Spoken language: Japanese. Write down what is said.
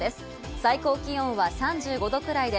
最高気温は３５度くらいで